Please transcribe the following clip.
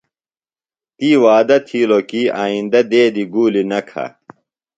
تی وعدہ تِھیلو کی آئیندہ دیدیۡ گُولیۡ نہ کھو۔